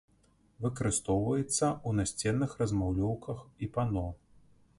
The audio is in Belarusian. Выкарыстоўваецца ў насценных размалёўках і пано.